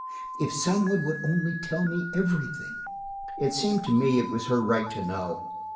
If some one would only tell me everything!" It seemed to me it was her right to know.